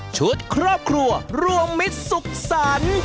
๓ชุดครอบครัวรวงมิตรศึกษร